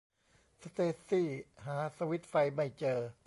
สเตซี่หาสวิตซ์ไฟไม่เจอ